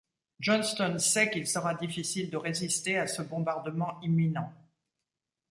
Johnston sait qu'il sera difficile de résister à ce bombardement imminent.